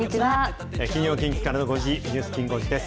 金曜、近畿からの５時、ニュースきん５時です。